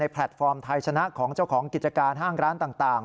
แพลตฟอร์มไทยชนะของเจ้าของกิจการห้างร้านต่าง